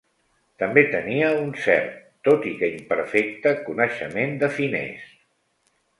També tenia un cert, tot i que imperfecte, coneixement de finès.